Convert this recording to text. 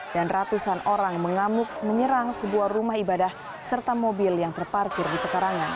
dan ratusan orang mengamuk menyerang sebuah rumah ibadah serta mobil yang terparkir di pekerangan